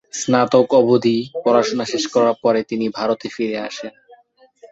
স্নাতক অবধি পড়াশুনা শেষ করার পরে, তিনি ভারতে ফিরে আসেন।